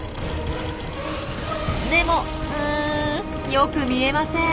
でもうんよく見えません。